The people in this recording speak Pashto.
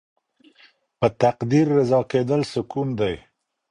په تقدیر رضا کیدل سکون دی.